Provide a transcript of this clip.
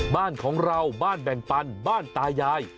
บ้านของเราบ้านแบ่งปันบ้านตายาย